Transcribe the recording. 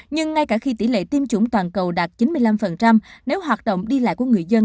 nhưng ngay cả khi tỷ lệ tiêm chủng toàn cầu đạt chín mươi năm nếu hoạt động đi lại của người dân